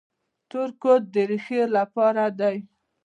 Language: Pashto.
تور کود د ریښو لپاره دی.